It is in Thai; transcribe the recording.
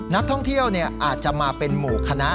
นักท่องเที่ยวอาจจะมาเป็นหมู่คณะ